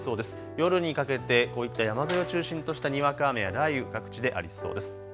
夜にかけてこういった山沿いを中心としたにわか雨や雷雨各地でありそうです。